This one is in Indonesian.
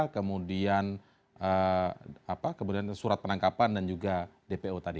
kemudian apa kemudian surat penangkapan dan juga dpo tadi